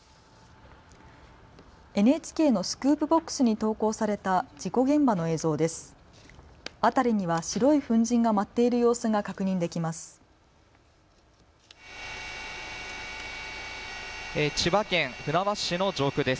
ＮＨＫのスクープボックスに投稿された事故現場の映像です。